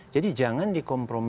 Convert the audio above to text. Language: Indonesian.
jadi jangan dikumpulkan